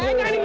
ya enggak nih